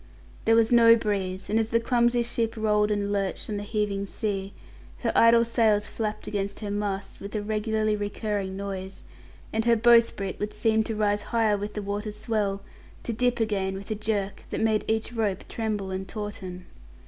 There was no breeze, and as the clumsy ship rolled and lurched on the heaving sea, her idle sails flapped against her masts with a regularly recurring noise, and her bowsprit would seem to rise higher with the water's swell, to dip again with a jerk that made each rope tremble and tauten.